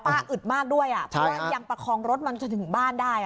อึดมากด้วยอ่ะเพราะว่ายังประคองรถมันจะถึงบ้านได้